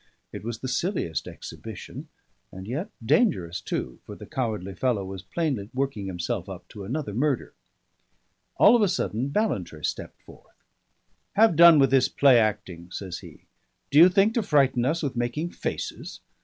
It was the silliest exhibition; and yet dangerous too, for the cowardly fellow was plainly working himself up to another murder. All of a sudden Ballantrae stepped forth. "Have done with this play acting," says he. "Do you think to frighten us with making faces?